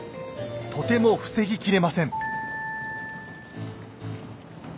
とても防ぎきれません。